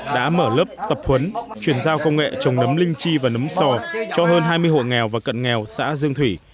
đã mở lớp tập huấn chuyển giao công nghệ trồng nấm linh chi và nấm sò cho hơn hai mươi hộ nghèo và cận nghèo xã dương thủy